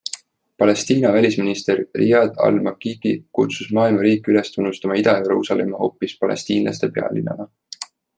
Palestiina välisminister Riyad Al-Makiki kutsus maailma riike üles tunnustama Ida-Jeruusalemma hoopis palestiinlaste pealinnana.